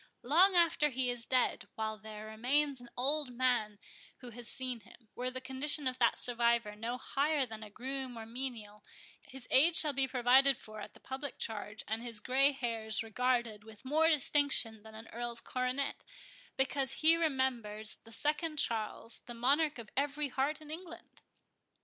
Long after he is dead, while there remains an old man who has seen him, were the condition of that survivor no higher than a groom or a menial, his age shall be provided for at the public charge, and his grey hairs regarded with more distinction than an earl's coronet, because he remembers the Second Charles, the monarch of every heart in England!"